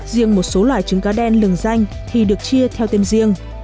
riêng một số loại trứng cá đen lừng danh thì được chia theo tên riêng